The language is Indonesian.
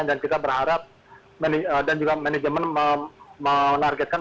dan kita berharap dan juga manajemen menargetkan